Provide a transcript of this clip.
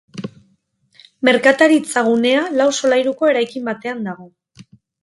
Merkataritza-gunea lau solairuko eraikin batean dago.